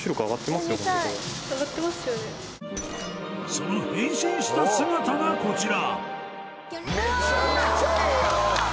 その変身した姿がこちら！